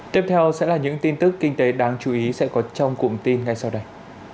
tiếp theo sẽ là những tin tức kinh tế đáng chú ý sẽ có trong cụm tin ngay sau đây